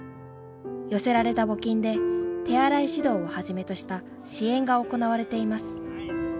寄せられた募金で手洗い指導をはじめとした支援が行われています。